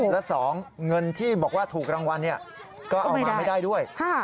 และ๒เงินที่บอกว่าถูกรางวัลก็เอามาไม่ได้ด้วย